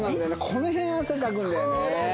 この辺汗かくんだよね。